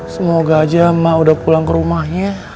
semoga aja mak udah pulang ke rumahnya